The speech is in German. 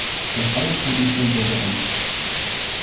Das alles kommt nicht beim Bürger an.